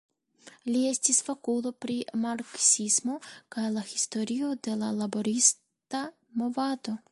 Li estis fakulo pri marksismo kaj la historio de la laborista movado.